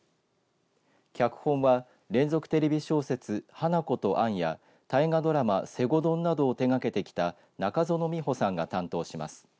脚本は連続テレビ小説、花子とアンや大河ドラマ西郷どんなどを手がけてきた中園ミホさんが担当します。